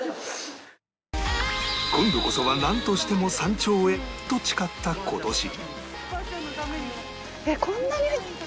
今度こそはなんとしても山頂へと誓った今年